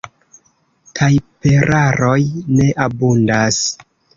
Tajperaroj ne abundas.